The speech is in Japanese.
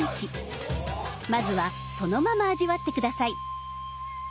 まずはそのまま味わって下さい。